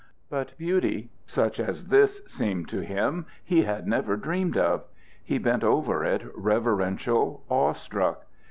But beauty, such as this seemed to him, he had never dreamed of. He bent over it, reverential, awe stricken.